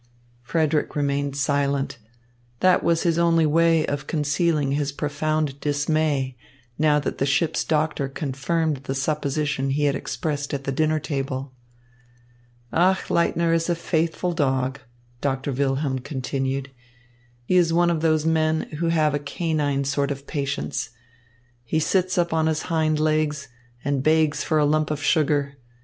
Frederick remained silent. That was his only way of concealing his profound dismay, now that the ship's doctor confirmed the supposition he had expressed at the dinner table. "Achleitner is a faithful dog," Doctor Wilhelm continued. "He is one of those men who have a canine sort of patience. He sits up on his hind legs and begs for a lump of sugar.